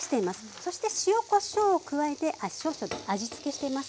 そして塩・こしょうを加えて少々味つけしています。